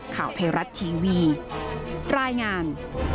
ข่าวไทยรัฐทีวีรายงาน